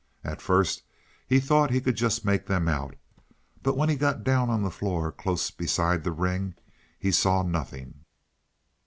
At first he thought he could just make them out, but when he got down on the floor close beside the ring, he saw nothing.